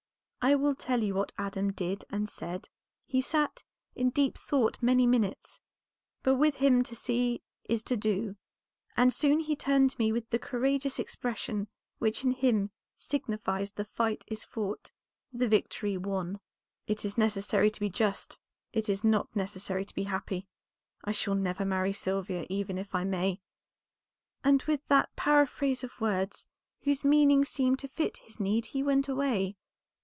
I will tell you what Adam did and said. He sat in deep thought many minutes; but with him to see is to do, and soon he turned to me with the courageous expression which in him signifies that the fight is fought, the victory won. 'It is necessary to be just, it is not necessary to be happy. I shall never marry Sylvia, even if I may,' and with that paraphrase of words, whose meaning seemed to fit his need, he went away.